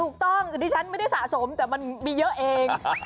ถูกต้องดิฉันไม่ได้สะสมแต่มันมีเยอะเอง